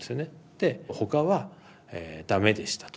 で他は駄目でしたと。